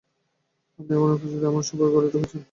আপনি আমার অনুপস্থিতিতে আমার শোবার ঘরে ঢুকেছেন।